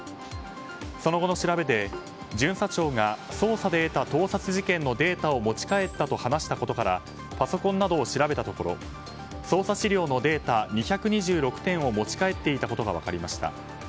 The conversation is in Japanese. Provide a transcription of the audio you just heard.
その後の調べで、巡査長が捜査で得た盗撮事件のデータを持ち帰ったと話したことからパソコンなどを調べたところ捜査資料のデータ２２６点を持ち帰っていたことが分かりました。